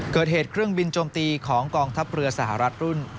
เกิดเหตุเครื่องบินโจมตีของกองทัพเรือสหรัฐรุ่น